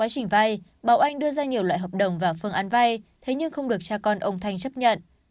hợp đồng và phương án vai thế nhưng không được cha con ông thanh chấp nhận